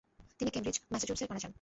তিনি ক্যামব্রিজ, ম্যাসাচুসেটসে মারা যান।